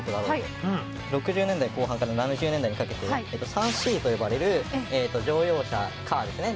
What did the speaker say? ６０年代後半から７０年代にかけて３Ｃと呼ばれる乗用車カーですね